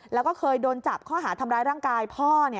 แล้วก็เคยโดนจับข้อหาทำร้ายร่างกายพ่อ